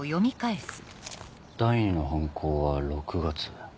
第２の犯行は６月。